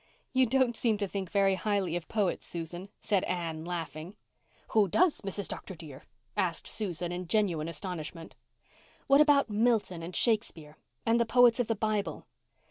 "You don't seem to think very highly of poets, Susan," said Anne, laughing. "Who does, Mrs. Dr. dear?" asked Susan in genuine astonishment. "What about Milton and Shakespeare? And the poets of the Bible?"